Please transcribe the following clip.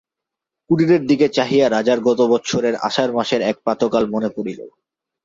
কুটিরের দিকে চাহিয়া রাজার গত বৎসরের আষাঢ় মাসের এক প্রাতঃকাল মনে পড়িল।